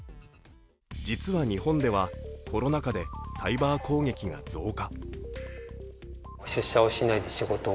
実は日本ではコロナ禍でサイバー攻撃が増加。